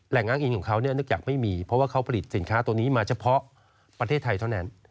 ง้างอินของเขาเนื่องจากไม่มีเพราะว่าเขาผลิตสินค้าตัวนี้มาเฉพาะประเทศไทยเท่านั้น